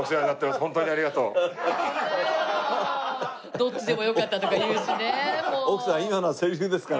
どっちでもよかったとか言うしね。